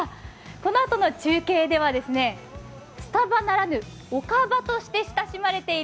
このあとの中継では、スタバならぬおかばとして知られている